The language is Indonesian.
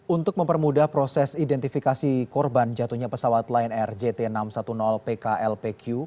untuk mempermudah proses identifikasi korban jatuhnya pesawat lion air jt enam ratus sepuluh pklpq